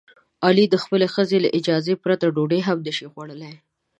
علي د خپلې ښځې له اجازې پرته ډوډۍ هم نشي خوړلی.